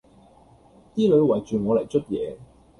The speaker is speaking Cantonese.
啲女圍住我嚟捽嘢